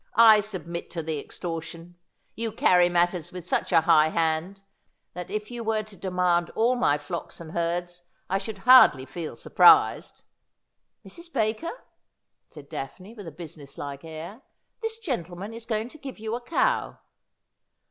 ' I submit to the extortion ; you carry matters with such a high hand that if you were to demand all my flocks and herds I should hardly feel surprised.' ' Mrs. Baker,' said Daphne, with a businesslike air, ' this gentleman is going to give you a cow.'